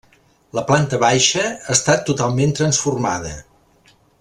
La planta baixa ha estat totalment transformada.